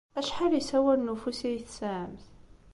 Acḥal n yisawalen n ufus ay tesɛamt?